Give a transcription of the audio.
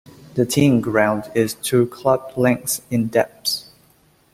The teeing ground is two club-lengths in depth.